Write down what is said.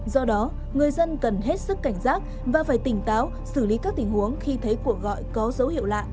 do đó người dân cần hết sức cảnh giác và phải tỉnh táo xử lý các tình huống khi thấy cuộc gọi có dấu hiệu lạ